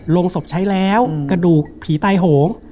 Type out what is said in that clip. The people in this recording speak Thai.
ลงศพใช้แล้วกระดูกผีตายโหง